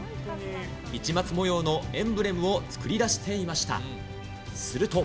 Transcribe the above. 市松模様のエンブレムを作り出していました。